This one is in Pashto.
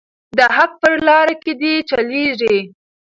د حق په لاره کې دې چلیږي.